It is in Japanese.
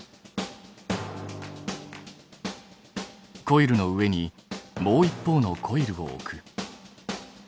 コイルの上にもう一方のコイルを置く。